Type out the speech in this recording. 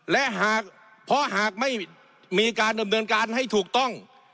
และหากเพราะหากไม่มีการดำเนินการให้ถูกต้อง